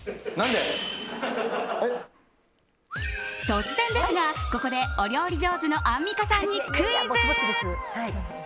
突然ですが、ここでお料理上手のアンミカさんにクイズ！